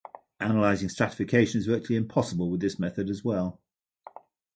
Analysing stratification is virtually impossible with this method as well.